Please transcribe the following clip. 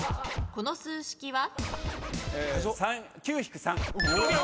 この数式は？